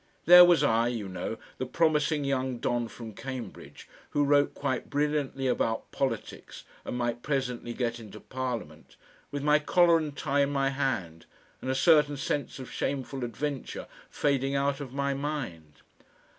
There was I, you know, the promising young don from Cambridge, who wrote quite brilliantly about politics and might presently get into Parliament, with my collar and tie in my hand, and a certain sense of shameful adventure fading out of my mind.